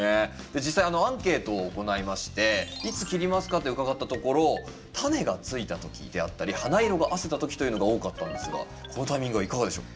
実際アンケートを行いまして「いつ切りますか？」って伺ったところ「種がついたとき」であったり「花色があせたとき」というのが多かったんですがこのタイミングはいかがでしょう？